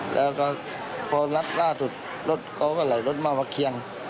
แล้วก็พอรัดล่าสุดรถเขาก็ไหลรถมามาเคียง